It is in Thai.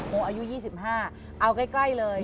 อายุ๒๕เอาใกล้เลย